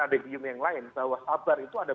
adegium yang lain bahwa sabar itu ada